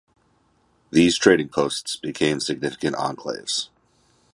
These trading posts became significant enclaves.